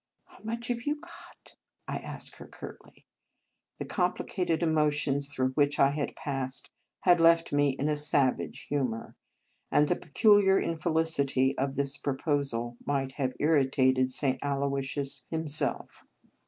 "How much have you got?" I asked her curtly. The complicated emotions through which I had passed had left me in a savage humour; and the peculiar infelicity of this proposal might have irritated St. Aloysius him self.